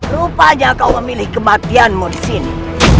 rupanya kau memilih kematianmu disini